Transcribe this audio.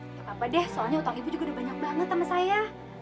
nggak apa apa deh soalnya utang ibu juga udah banyak banget sama saya